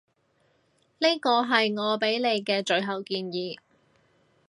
呢個係我畀你嘅最後建議